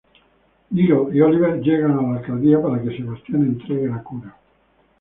Diggle y Oliver llegan a la alcaldía para que Sebastian entregue la cura.